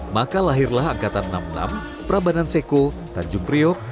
maka lahirlah angkatan enam puluh enam prabanan seko tanjung priok